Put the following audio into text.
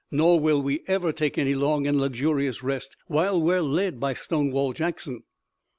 Nor will we ever take any long and luxurious rest while we're led by Stonewall Jackson."